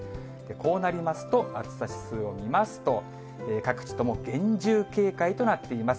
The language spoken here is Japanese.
こうなりますと、暑さ指数を見ますと、各地とも厳重警戒となっています。